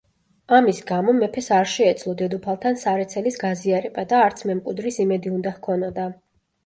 ამის გამო, მეფეს არ შეეძლო დედოფალთან სარეცელის გაზიარება და არც მემკვიდრის იმედი უნდა ჰქონოდა.